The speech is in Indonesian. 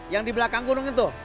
yang di belakang gunung itu